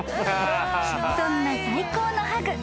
［そんな最高のハグ。